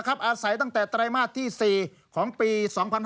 อาศัยตั้งแต่ไตรมาสที่๔ของปี๒๕๕๙